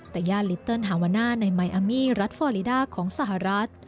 แต่ย่านฤตถ์เหนิทริย์ฮาวนาในมายอามี่รัดฟอรีดาของสหรัฐ